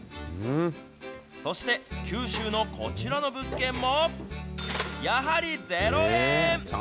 そして九州のこちらの物件も、やはり０円。